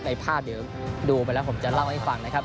ภาพเดี๋ยวดูไปแล้วผมจะเล่าให้ฟังนะครับ